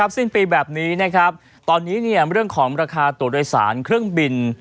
สิ้นปีแบบนี้นะครับตอนนี้เรื่องของราคาตัวโดยสารเครื่องบิน